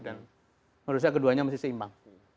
dan menurut saya keduanya masih seimbang